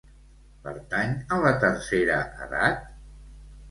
Pertany a la tercera edat?